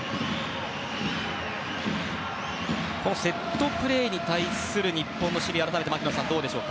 セットプレーに対する日本の守備改めて槙野さん、どうでしょう。